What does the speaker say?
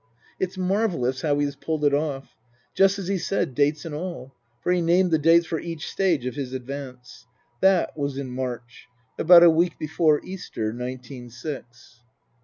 It's marvellous how he has pulled it off. Just as he said, dates and all. For he named the dates' for each stage of his advance. That was in March ; about a week before Easter, nineteen six.